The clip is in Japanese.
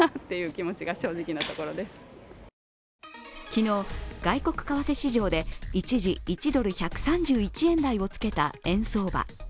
昨日、外国為替市場で一時１ドル＝１３１円台をつけた円相場。